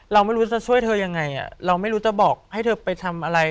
เราไม่รู้จะช่วยเธอยังไงเราไม่รู้จะบอกให้เธอไปทำอะไร